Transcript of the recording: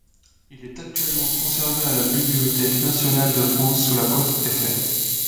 Il est actuellement conservé à la Bibliothèque nationale de France sous la cote Fr.